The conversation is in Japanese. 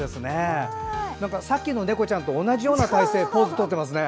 さっきの猫ちゃんと同じようなポーズをとっていますね。